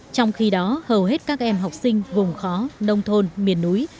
trong khi đó hầu hết các em học sinh vùng khó nông thôn miền núi